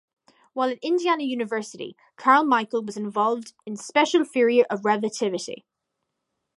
While at Indiana University Carmichael was involved with special theory of relativity.